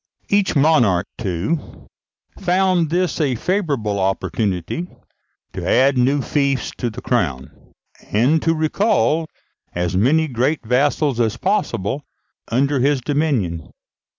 Each monarch, too, found this a favourable opportunity to add new fiefs to the crown, and to recall as many great vassals as possible under his dominion.